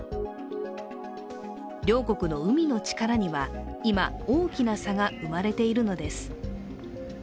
両国の海の力には今、大きな差が生まれているのです。